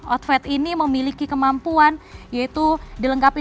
outfet ini memiliki kemampuan yaitu dilengkapi dengan komputer